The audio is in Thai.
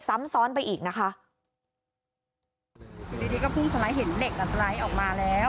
ซ้ำซ้อนไปอีกนะคะอยู่ดีดีก็พุ่งสไลด์เห็นเหล็กอ่ะสไลด์ออกมาแล้ว